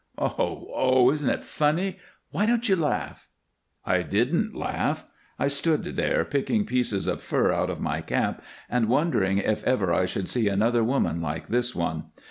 Oh, oh! Isn't it funny? Why don't you laugh?" I didn't laugh. I stood there, picking pieces of fur out of my cap and wondering if ever I should see another woman like this one.